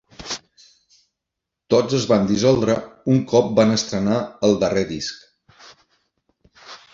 Tots es van dissoldre un cop van estrenar el darrer disc.